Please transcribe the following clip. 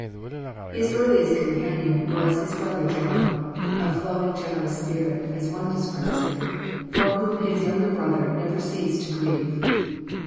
His earliest companion was his brother John, "a flowing generous spirit," as one described him, for whom his younger brother never ceased to grieve.